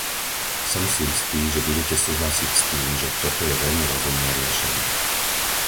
Som si istý, že budete súhlasiť s tým, že toto je veľmi rozumné riešenie.